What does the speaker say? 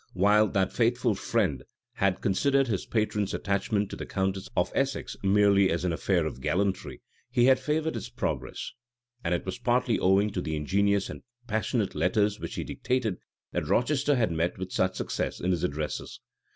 While that faithful friend had considered his patron's attachment to the countess of Essex merely as an affair of gallantry, he had favored its progress; and it was partly owing to the ingenious and passionate letters which he dictated, that Rochester had met with such success in his addresses.